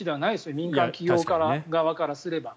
民間企業側からすれば。